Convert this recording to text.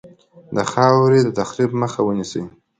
د خاورې د تخریب مخه ونیسي.